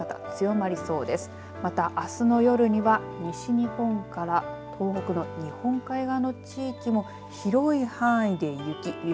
またあすの夜には西日本から東北の日本海側の地域も広い範囲で雪。